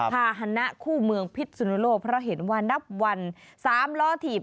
ภาษณะคู่เมืองพิษสุนโลกเพราะเห็นว่านับวัน๓ล้อถีบ